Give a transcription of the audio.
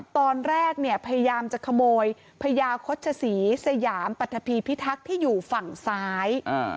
ตอนแรกเนี่ยพยายามจะขโมยพญาโฆษศรีสยามปรัฐภีพิทักษ์ที่อยู่ฝั่งซ้าย